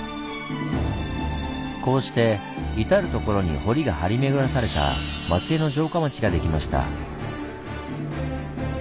こうして至る所に堀が張り巡らされた松江の城下町ができました。